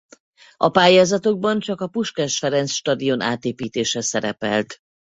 A pályázatokban csak a Puskás Ferenc Stadion átépítése szerepelt.